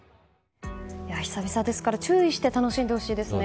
久々ですから注意して楽しんでほしいですね。